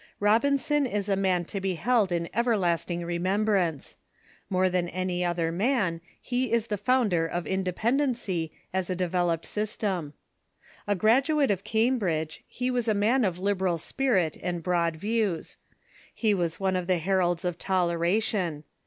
Robinson is a man to be held in everlasting remembrance. More than any other man he is the founder of independenc}' as a developed system. A graduate of Cambridge, he was a man of liberal spirit and broad views. He was one of the heralds of tolera tion.